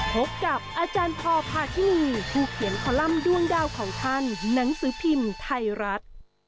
พบกับอาจารย์พอพาทินีผู้เขียนคอลัมป์ด้วงดาวของท่านหนังสือพิมพ์ไทยรัฐ